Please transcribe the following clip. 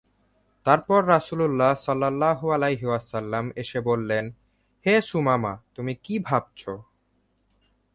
তারপর রাসূলুল্লাহ সাল্লাল্লাহু আলাইহি ওয়াসাল্লাম এসে বললেন, হে সুমামা, তুমি কী ভাবছো?